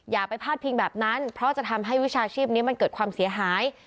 อย่าไปพาดพิงแบบนั้นเพราะจะทำให้วิชาชีพนี้มันเกิดความเสียหาย